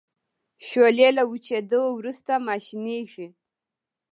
شولې له وچیدو وروسته ماشینیږي.